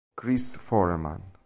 Chris Foreman